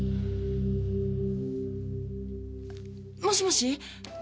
もしもし？